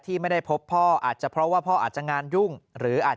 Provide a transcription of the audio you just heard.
ไม่ได้พบพ่ออาจจะเพราะว่าพ่ออาจจะงานยุ่งหรืออาจ